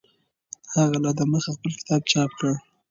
هغه لا دمخه خپل کتاب چاپ کړی و.